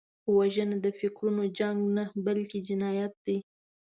وژنه د فکرونو جنګ نه، بلکې جنایت دی